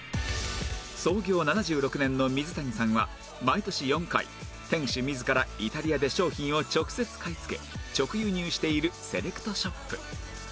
創業７６年のミズタニさんは毎年４回店主自らイタリアで商品を直接買い付け直輸入しているセレクトショップ